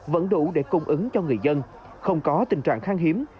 vẫn đủ để cung ứng cho người dân không có tình trạng khang hiếm